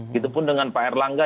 gitu pun dengan pak erlangga